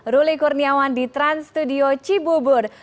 ruli kurniawan di trans studio cibubur